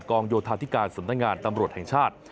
โยธาธิการสำนักงานตำรวจแห่งชาติ